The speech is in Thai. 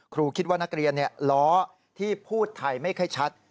ครูคิดว่านักเรียนล้อที่พูดไทยไม่ค่อยชัด